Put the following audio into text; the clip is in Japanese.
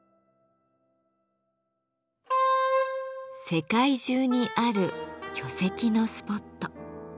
世界中にある巨石のスポット。